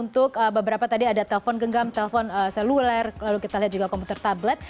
telepon genggam telpon seluler lalu kita lihat juga komputer tablet